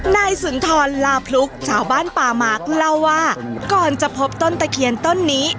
นายสุนทรลาพลุกชาวบ้านป่าหมากเล่าว่าก่อนจะพบต้นตะเคียนต้นนี้